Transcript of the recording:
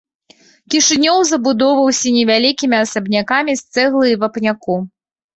Кішынёў забудоўваўся невялікімі асабнякамі з цэглы і вапняку.